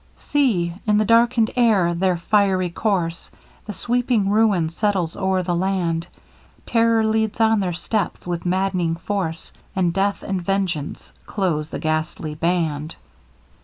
See! in the darkened air their fiery course! The sweeping ruin settles o'er the land, Terror leads on their steps with madd'ning force, And Death and Vengeance close the ghastly band!